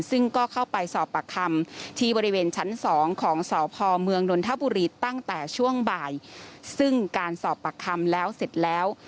ซึ่งก็เข้าไปสอบปากคำที่บริเวณชั้นสองของสพเมืองนนทบุรีตั้งแต่ช่วงบ่ายซึ่งการสอบปากคำแล้วเสร็จแล้ว